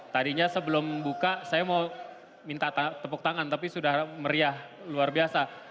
tadinya sebelum buka saya mau minta tepuk tangan tapi sudah meriah luar biasa